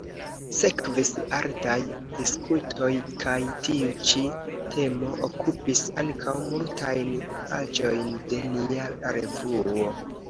Sekvis ardaj diskutoj kaj tiu ĉi temo okupis ankaŭ multajn paĝojn de nia revuo.